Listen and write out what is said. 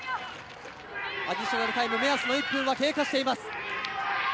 アディショナルタイム目安の１分は経過しています。